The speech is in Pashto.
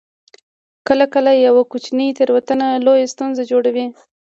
کله کله یوه کوچنۍ تیروتنه لویه ستونزه جوړوي